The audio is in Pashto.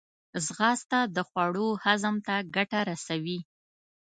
ځغاسته د خوړو هضم ته ګټه رسوي